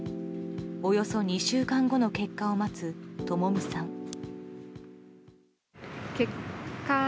およそ２週間後の結果を待つともみさん。